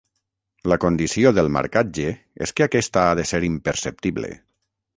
La condició del marcatge és que aquesta ha de ser imperceptible.